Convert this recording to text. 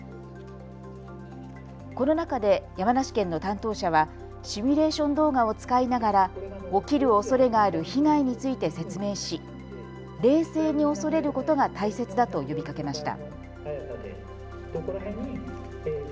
この中で山梨県の担当者はシミュレーション動画を使いながら起きるおそれがある被害について説明し、冷静に恐れることが大切だと呼びかけました。